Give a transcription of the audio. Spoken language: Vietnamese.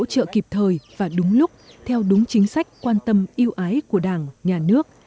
đây là sự hỗ trợ kịp thời và đúng lúc theo đúng chính sách quan tâm yêu ái của đảng nhà nước